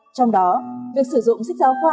trong đó việc sử dụng sách giáo khoa